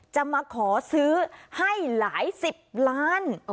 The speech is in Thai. จะมาขอซื้อให้หลายสิบล้าน